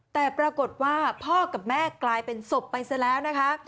แต่ปรากฏว่าพ่อกับแม่กลายเป็นศพไปซะแล้วนะคะ